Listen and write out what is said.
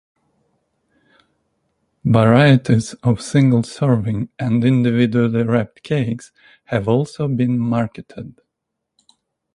Varieties of single-serving and individually wrapped cakes have also been marketed.